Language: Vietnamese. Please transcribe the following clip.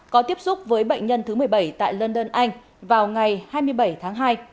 có tiếp xúc với bệnh nhân thứ một mươi bảy tại london anh vào ngày hai mươi bảy tháng hai